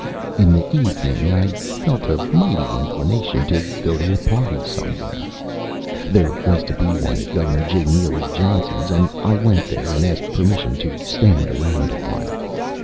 In the evening I felt a mighty inclination to go to a party somewhere. There was to be one at Governor J. Neely Johnson's, and I went there and asked permission to stand around a while.